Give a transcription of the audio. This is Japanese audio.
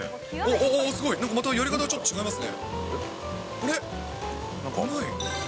すごい、またやり方がちょっと違いますね。